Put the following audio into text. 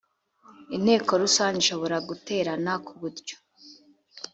inteko rusange ishobora guterana ku buryo